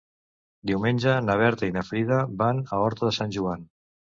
Diumenge na Berta i na Frida van a Horta de Sant Joan.